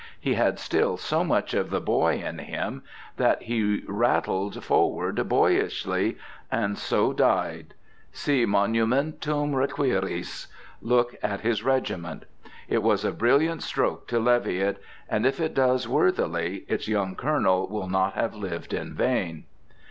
He had still so much of the boy in him, that he rattled forward boyishly, and so died. Si monumentum requiris, look at his regiment. It was a brilliant stroke to levy it; and if it does worthily, its young Colonel will not have lived in vain.